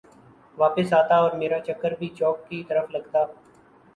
واپس آتا اورمیرا چکر بھی چوک کی طرف لگتا